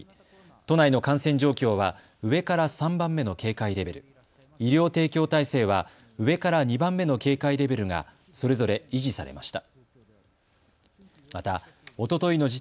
都内の感染状況は上から３番目の警戒レベル、医療提供体制は上から２番目の警戒レベルがそれぞれ維持されました。